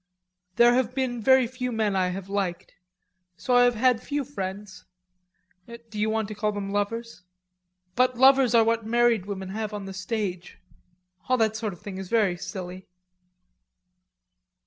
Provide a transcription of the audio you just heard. There have been very few men I have liked.... So I have had few friends... do you want to call them lovers? But lovers are what married women have on the stage.... All that sort of thing is very silly."